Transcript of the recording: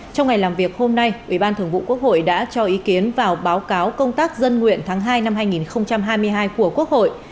trong ngày làm việc hôm nay ủy ban thường vụ quốc hội đã cho ý kiến vào báo cáo công tác dân nguyện tháng hai năm hai nghìn hai mươi hai của quốc hội